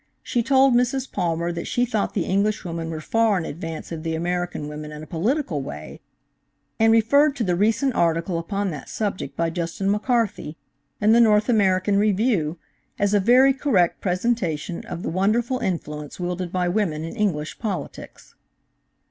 She told Mrs. Palmer that she thought the English women were far in advance of the American women in a political way, and referred to the recent article upon that subject by Justin McCarthy, in the North American Review, as a very correct presentation of the wonderful influence wielded by women in English politics.